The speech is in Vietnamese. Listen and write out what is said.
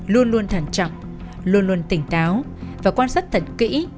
luôn luôn thẩn trọng luôn luôn tỉnh táo và quan sát thật kỹ